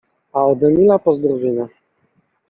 A od Emila pozdrowienia.